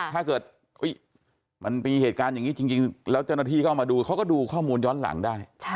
ถ้าเกิดมันมีเหตุการณ์อย่างนี้จริงแล้วเจ้าหน้าที่ก็มาดูเขาก็ดูข้อมูลย้อนหลังได้